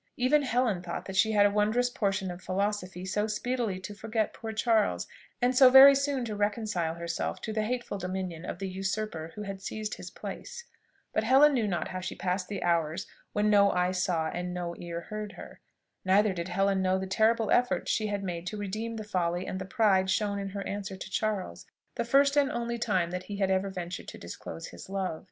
Even Helen thought that she had a wondrous portion of philosophy so speedily to forget poor Charles, and so very soon to reconcile herself to the hateful dominion of the usurper who had seized his place. But Helen knew not how she passed the hours when no eye saw and no ear heard her. Neither did Helen know the terrible effort she had made to redeem the folly and the pride shown in her answer to Charles, the first and only time that he had ever ventured to disclose his love.